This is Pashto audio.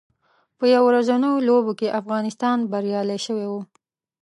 په یو ورځنیو لوبو کې افغانستان بریالی شوی و